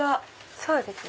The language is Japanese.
そうですね。